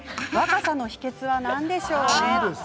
若さの秘けつは何でしょう？